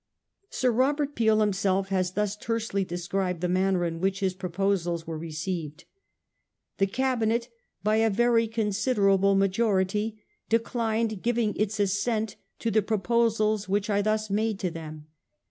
Sir Robert Peel himself has thus tersely described the manner in which his proposals were received: ' The Cabinet by a very considerable majority de clined giving its assent to the proposals which I thus made to them.